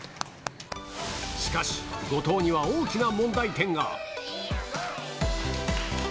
しかし、後藤には大きな問題点が。